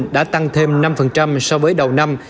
đã tăng thêm năm so với đầu năm